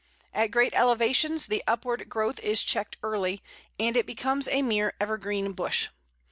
At great elevations the upward growth is checked early, and it becomes a mere evergreen bush.